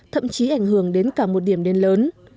thậm chí ảnh hưởng đến cả một điểm đến lớn